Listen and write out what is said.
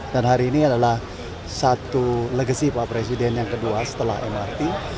dan hari ini adalah satu legasi pak presiden yang kedua setelah mrt